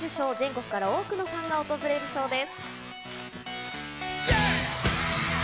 全国から多くのファンが訪れるそうです。